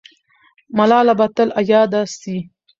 ملاله به تل یاده سي.